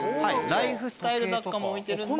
ライフスタイル雑貨も置いてるんで。